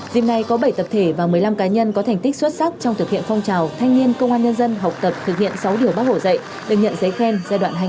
dìm nay có bảy tập thể và một mươi năm cá nhân có thành tích xuất sắc trong thực hiện phong trào thanh niên công an nhân dân học tập thực hiện sáu điều bác hổ dạy được nhận giấy khen giai đoạn hai nghìn hai mươi hai nghìn hai mươi hai